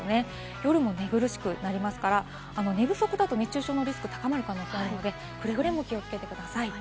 夜も寝苦しくなりますから、寝不足だと熱中症のリスクが高まる可能性あるので、くれぐれも気をつけてください。